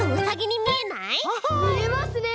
みえますねえ！